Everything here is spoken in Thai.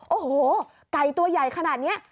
โอ้โหไก่ตัวใหญ่ขนาดนี้